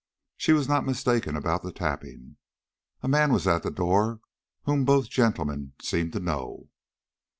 She was not mistaken about the tapping. A man was at the door whom both gentlemen seemed to know.